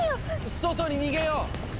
⁉外に逃げよう！